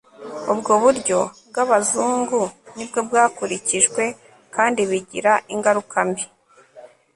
ubwo buryo bw'abazungu ni bwo bwakurikijwe kandi bigira ingaruka mbi